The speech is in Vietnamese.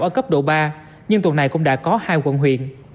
ở cấp độ ba nhưng tuần này cũng đã có hai quận huyện